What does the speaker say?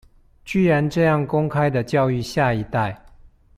居然這樣公開的教育下一代